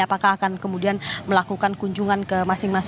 apakah akan kemudian melakukan kunjungan ke sekolah